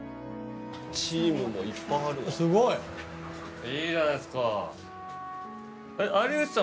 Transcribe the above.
チームもいっぱいあるんだすごいいいじゃないですか有吉さん